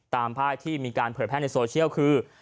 ตามภาพที่มีการเผยแพร่ในโซเชียลคือ